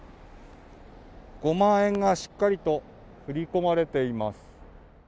５万円がしっかりと振り込まれています。